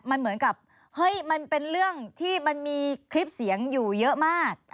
มันเหมือนกับเฮ้ยมันเป็นเรื่องที่มันมีคลิปเสียงอยู่เยอะมาก